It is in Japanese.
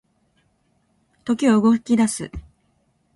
時は動き出す